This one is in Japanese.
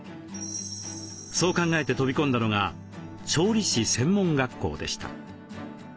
そう考えて飛び込んだのが調理師専門学校でした。